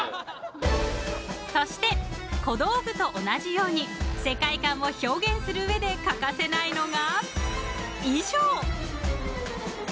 ［そして小道具と同じように世界観を表現する上で欠かせないのが］